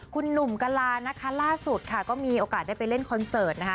คุณหนุ่มกะลานะคะล่าสุดค่ะก็มีโอกาสได้ไปเล่นคอนเสิร์ตนะคะ